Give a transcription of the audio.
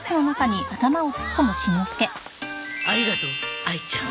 ありがとうあいちゃん。